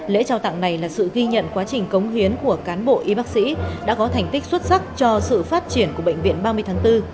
lễ trao tặng này là sự ghi nhận quá trình cống hiến của cán bộ y bác sĩ đã có thành tích xuất sắc cho sự phát triển của bệnh viện ba mươi tháng bốn